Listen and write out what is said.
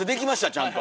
ちゃんと。